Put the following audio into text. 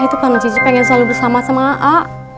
itu karena cici pengen selalu bersama sama a